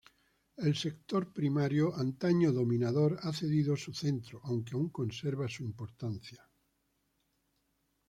El sector primario, antaño dominador ha cedido su cetro aunque aún conserva su importancia.